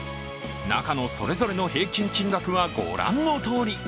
中のそれぞれの平均金額はご覧のとおり。